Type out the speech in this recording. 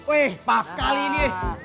weh pas sekali ini